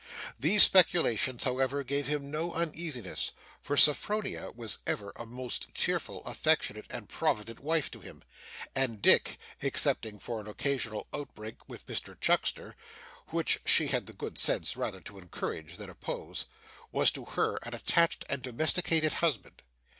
These speculations, however, gave him no uneasiness; for Sophronia was ever a most cheerful, affectionate, and provident wife to him; and Dick (excepting for an occasional outbreak with Mr Chuckster, which she had the good sense rather to encourage than oppose) was to her an attached and domesticated husband.